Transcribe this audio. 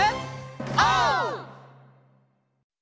オー！